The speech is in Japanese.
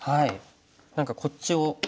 何かこっちを。